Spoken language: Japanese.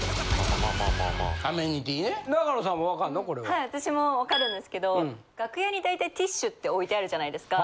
はい私もわかるんですけど楽屋に大体ティッシュって置いてあるじゃないですか。